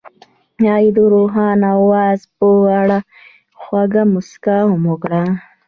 هغې د روښانه اواز په اړه خوږه موسکا هم وکړه.